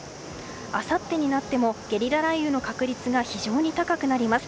あさってになってもゲリラ雷雨の確率が非常に高くなります。